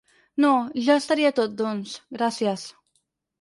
No, ja estaria tot doncs gracies.